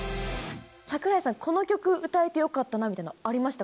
櫻井さん、この曲、歌えてよかったなみたいなのありました？